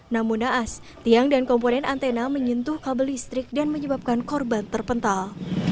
namun naas tiang dan komponen antena menyentuh kabel listrik dan menyebabkan korban terpental